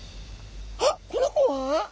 あっこの子は？